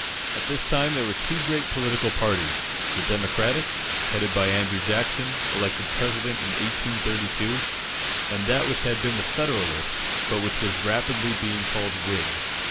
At this time there were two great political parties the Democratic, headed by Andrew Jackson, elected President in 1832, and that which had been the Federalist, but which was rapidly being called Whig.